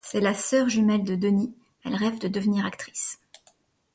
C'est la sœur jumelle de Dennis, elle rêve de devenir actrice.